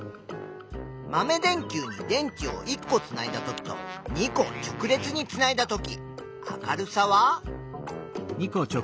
豆電球に電池を１個つないだときと２個直列につないだとき明るさは？